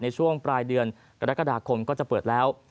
ในช่วงปลายเดือนกรกฎาคมก็จะเปิดแล้ว